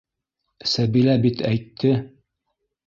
Сәбилә бит әйтте...